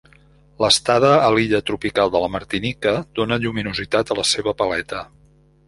L'estada a l'illa tropical de la Martinica dóna lluminositat a la seva paleta.